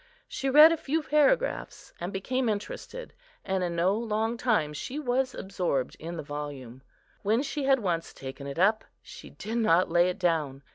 She read a few paragraphs, and became interested, and in no long time she was absorbed in the volume. When she had once taken it up, she did not lay it down.